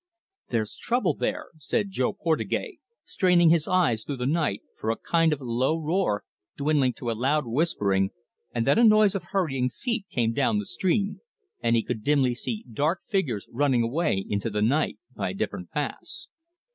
"There's trouble there," said Jo Portugais, straining his eyes through the night, for a kind of low roar, dwindling to a loud whispering, and then a noise of hurrying feet, came down the stream, and he could dimly see dark figures running away into the night by different paths.